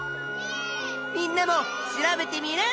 みんなも調べテミルン！